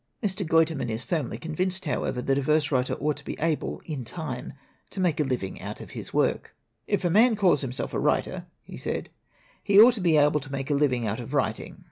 Mr. Guiterman is firmly convinced, however, that a verse writer ought to be able, in time, to make a living out of his work. "If a man calls himself a writer," he said, "he ought to be able to make a living out of writing.